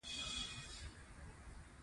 ښتې د افغان ښځو په ژوند کې رول لري.